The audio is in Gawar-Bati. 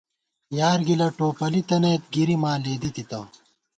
یار گِلہ ٹوپَلِی تنَئیت گِری ماں لېدِی تِتہ